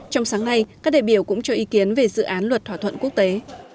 trong sáng nay các đại biểu cũng cho ý kiến về dự án luật thỏa thuận quốc tế